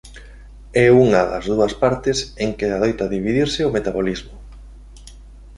É unha das dúas partes en que adoita dividirse o metabolismo.